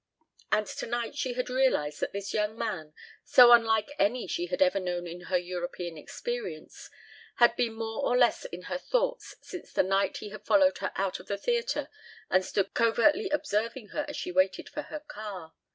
And tonight she had realized that this young man, so unlike any she had ever known in her European experience, had been more or less in her thoughts since the night he had followed her out of the theatre and stood covertly observing her as she waited for her car.